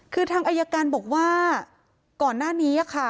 คือทางอายการบอกว่าก่อนหน้านี้ค่ะ